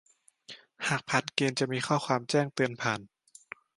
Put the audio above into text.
หากผ่านเกณฑ์จะมีข้อความแจ้งเตือนผ่าน